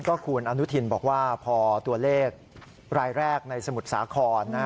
ก็คุณอนุทินบอกว่าพอตัวเลขรายแรกในสมุทรสาคร